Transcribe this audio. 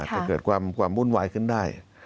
จะเกิดความวุ่นวายขึ้นได้